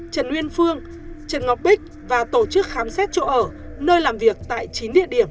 trần uyên phương trần ngọc bích và tổ chức khám xét chỗ ở nơi làm việc tại chín địa điểm